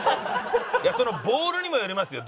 いやそのボールにもよりますよ。